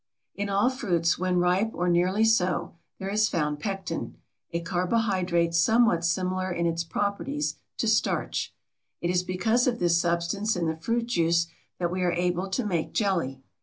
In all fruits, when ripe or nearly so, there is found pectin, a carbohydrate somewhat similar in its properties to starch. It is because of this substance in the fruit juice that we are able to make jelly.